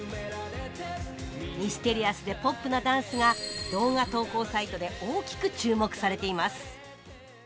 ミステリアスでポップなダンスが動画投稿サイトで大きく注目されています